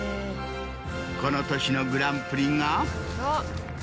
この年のグランプリが。